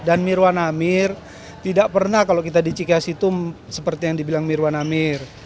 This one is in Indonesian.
dan mirwan amir tidak pernah kalau kita di cikes itu seperti yang dibilang mirwan amir